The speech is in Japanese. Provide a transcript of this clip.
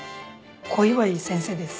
小岩井先生です。